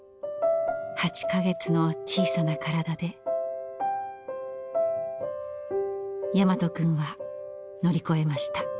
８か月の小さな体で大和くんは乗り越えました。